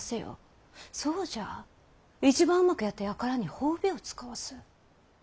そうじゃ一番うまくやった輩には褒美を遣わす。